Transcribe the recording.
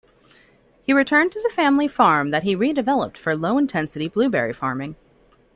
He returned to the family farm that he redeveloped for low-intensity blueberry farming.